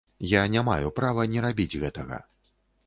Я не маю права не рабіць гэтага.